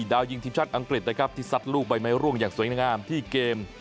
ดาวยิงทีมชาติอังกฤษนะครับที่ซัดลูกใบไม้ร่วงอย่างสวยงามที่เกม